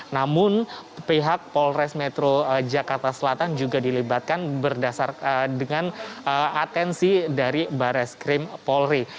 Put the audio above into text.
namun pihak polres metro jakarta selatan juga dilibatkan berdasarkan dengan atensi dari bares krim polri